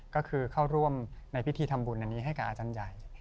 ก็คือเข้าร่วมในพิธีทำบุญอันนี้ให้กับอาจารย์ใหญ่